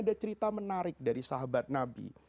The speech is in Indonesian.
ada cerita menarik dari sahabat nabi